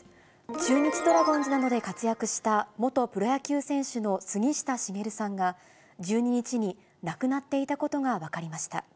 中日ドラゴンズなどで活躍した元プロ野球選手の杉下茂さんが１２日に亡くなっていたことが分かりました。